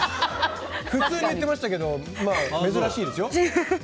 普通に言ってましたけど珍しいですよ。